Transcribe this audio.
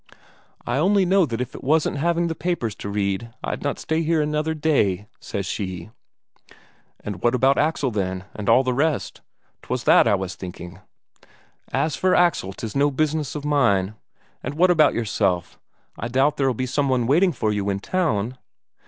"I only know that if it wasn't for having the papers to read, I'd not stay here another day," says she. "But what about Axel, then, and all the rest? 'twas that I was thinking." "As for Axel, 'tis no business of mine. And what about yourself I doubt there'll be some one waiting for you in town?"